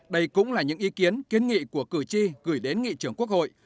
đây cũng là những ý kiến kiến nghị của cử tri gửi đến nghị trưởng quốc hội